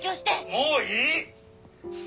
もういい！